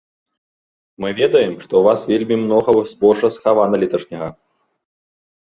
Мы ведаем, што ў вас вельмі многа збожжа схавана леташняга.